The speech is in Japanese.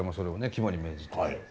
肝に銘じて。